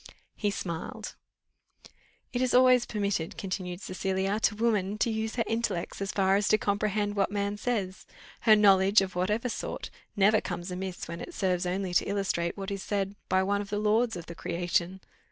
He smiled. "It is always permitted," continued Cecilia, "to woman to use her intellects so far as to comprehend what man says; her knowledge, of whatever sort, never comes amiss when it serves only to illustrate what is said by one of the lords of the creation.